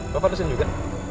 bapak dosen juga